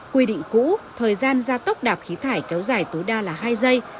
quy định cũ thời gian ra tốc đạp khí thải kéo dài tối đa là hai giây